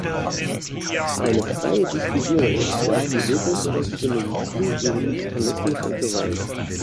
Eine freie Diskussion ist vielleicht die wirkungsvollste Medizin gegen Extremismus und Gewalt.